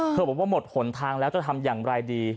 บอกว่าหมดหนทางแล้วจะทำอย่างไรดี